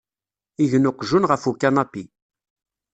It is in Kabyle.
Igen uqjun ɣef ukanapi.